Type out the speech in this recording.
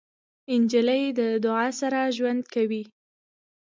نجلۍ له دعا سره ژوند کوي.